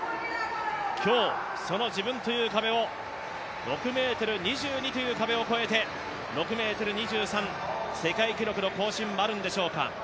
今日、その自分という壁を６ｍ２２という壁を超えて６ｍ２３、世界記録の更新もあるんでしょうか。